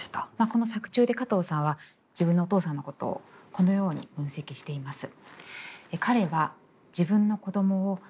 この作中でカトーさんは自分のお父さんのことをこのように分析しています。